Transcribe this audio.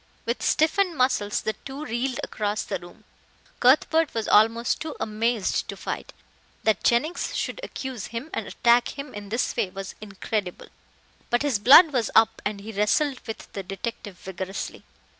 With stiffened muscles the two reeled across the room. Cuthbert was almost too amazed to fight. That Jennings should accuse him and attack him in this way was incredible. But his blood was up and he wrestled with the detective vigorously.